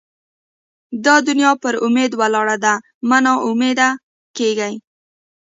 دا دونیا پر اُمید ولاړه ده؛ مه نااميده کېږئ!